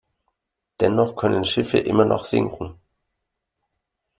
Dennoch können Schiffe immer noch sinken.